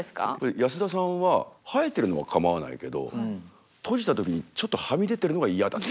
ヤスダさんは生えてるのは構わないけど閉じた時にちょっとはみ出てるのが嫌だって。